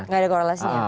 tidak ada korelasinya